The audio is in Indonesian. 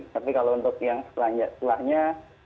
tapi kalau untuk yang setelahnya